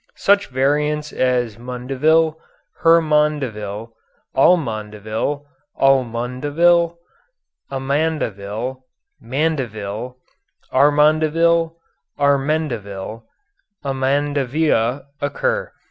Such variants as Mundeville, Hermondaville, Amondaville, Amundaville, Amandaville, Mandeville, Armandaville, Armendaville, Amandavilla occur.